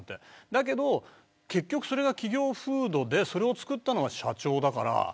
だけど結局それが企業風土でそれを作ったのは社長だから。